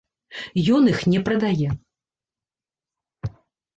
Ён іх не прадае.